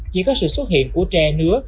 chỉ có sự xuất hiện của tre nứa